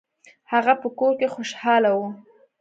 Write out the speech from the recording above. هغه په کور کې خوشحاله و.